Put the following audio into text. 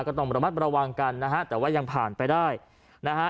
ก็ต้องระมัดระวังกันนะฮะแต่ว่ายังผ่านไปได้นะฮะ